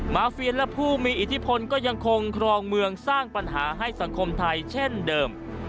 เฟียนและผู้มีอิทธิพลก็ยังคงครองเมืองสร้างปัญหาให้สังคมไทยเช่นเดิม